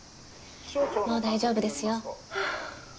もう大丈夫ですよ。